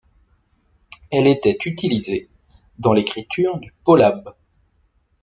Elle était utilisée dans l’écriture du polabe.